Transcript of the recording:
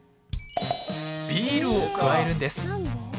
ビールを加えるんです。